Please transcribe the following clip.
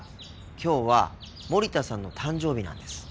きょうは森田さんの誕生日なんです。